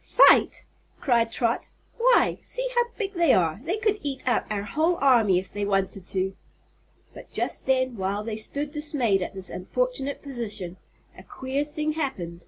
"Fight!" cried Trot; "why, see how big they are. They could eat up our whole army, if they wanted to." But just then, while they stood dismayed at this unfortunate position, a queer thing happened.